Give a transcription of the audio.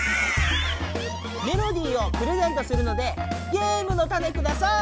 メロディーをプレゼントするのでゲームのタネください！